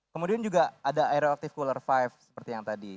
kemudian juga ada aeroactive cooler lima seperti yang tadi